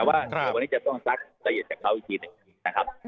แต่ว่าวันนี้จะต้องซักละเอียดจากเขาอีกทีหนึ่งนะครับ